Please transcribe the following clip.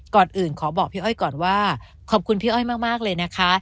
ก่อนอื่นขอบอกพี่อ้อยก่อนว่าขอบคุณพี่อ้อยมากเลยนะคะ